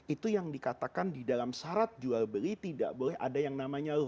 itu yang dikatakan di dalam syarat jual beli tidak boleh ada yang namanya